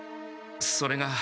それが。